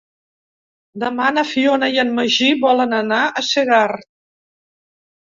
Demà na Fiona i en Magí volen anar a Segart.